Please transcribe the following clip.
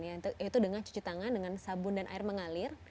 yaitu dengan cuci tangan dengan sabun dan air mengalir